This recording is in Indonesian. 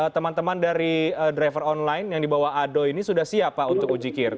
teman teman dari driver online yang dibawa ado ini sudah siap pak untuk ujikir